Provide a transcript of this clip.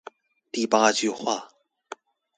第八句話